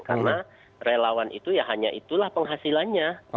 karena relawan itu ya hanya itulah penghasilannya